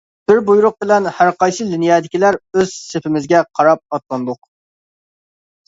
بىر بۇيرۇق بىلەن ھەرقايسى لىنىيەدىكىلەر ئۆز سېپىمىزگە قاراپ ئاتلاندۇق.